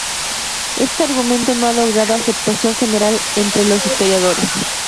Este argumento no ha logrado aceptación general entre los historiadores.